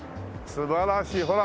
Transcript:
素晴らしいほら。